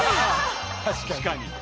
確かに。